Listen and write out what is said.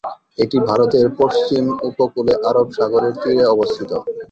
এটি ভারতের পশ্চিম উপকূলে আরব সাগরের তীরে অবস্থিত।